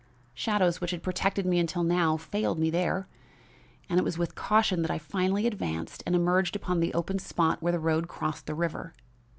Shadows which had protected me until now failed me there, and it was with caution I finally advanced and emerged upon the open spot where the road crossed the river.